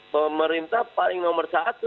pemerintah paling nomor satu